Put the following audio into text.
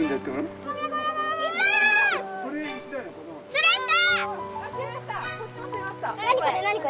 釣れた！